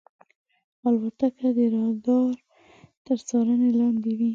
الوتکه د رادار تر څارنې لاندې وي.